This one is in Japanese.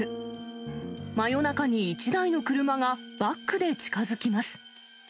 真夜中に１台の車がバックで近づきます。